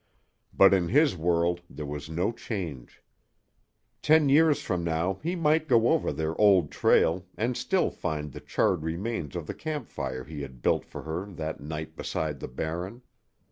But in his world there was no change. Ten years from now he might go over their old trail and still find the charred remains of the campfire he had built for her that night beside the Barren.